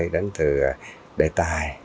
đến từ đề tài